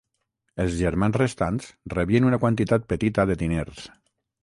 Els germans restants rebien una quantitat petita de diners.